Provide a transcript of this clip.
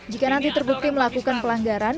jika nanti terbukti melakukan pelanggaran